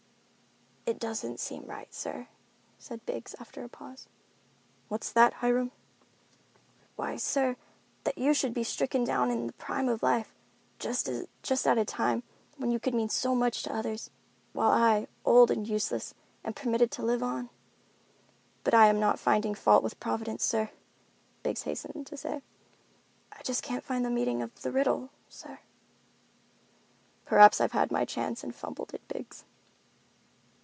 "It doesn't seem right, sir," said Biggs after a pause. "What's that, Hiram?" "Why, sir, that you should be stricken down in the prime of life, just at a time when you could mean so much to others, while I, old and useless, am permitted to live on. But I am not finding fault with Providence, sir," Biggs hastened to say; "I just can't find the meaning of the riddle, sir." "Probably I've had my chance and fumbled it, Biggs."